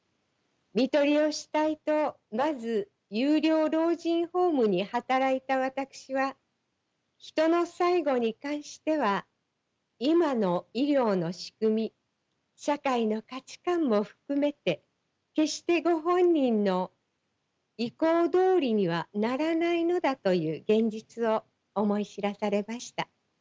看取りをしたいとまず有料老人ホームに働いた私は人の最期に関しては今の医療の仕組み社会の価値観も含めて決してご本人の意向どおりにはならないのだという現実を思い知らされました。